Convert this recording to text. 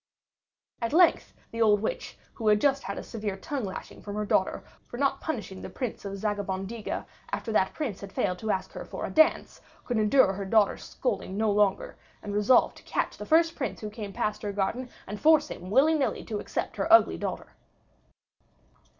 At length the old witch, who had just had a severe tongue lashing from her daughter for not punishing the Prince of Zagabondiga after that prince had failed to ask her for a dance, could endure her daughter's scolding no longer, and resolved to catch the first prince who came past her garden, and force him, willy nilly, to accept her ugly daughter.